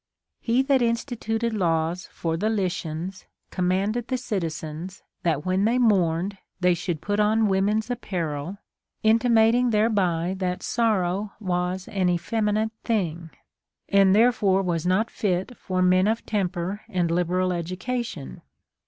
He that instituted laws for the Lycians commanded the citizens that when they mourned they should put on women's apparel, intimating thereby that sorrow was an effeminate thing, and therefore was not fit for men of temper and liberal education.